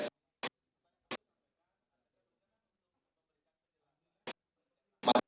sosialisasi tempol kemarin